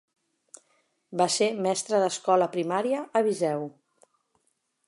Va ser mestra d'escola primària a Viseu.